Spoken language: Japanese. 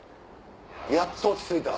やっと落ち着いた。